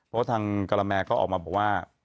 เพราะว่าทางกรแมรก็ออกมาบอกว่า